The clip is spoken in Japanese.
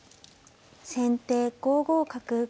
先手５五角。